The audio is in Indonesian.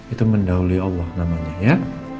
itu mendahului allah namanya ya